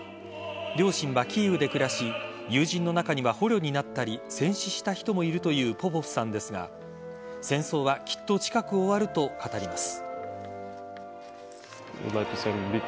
両親はキーウで暮らし友人の中には捕虜になったり戦死した人もいるというポポフさんですが戦争はきっと近く終わると語ります。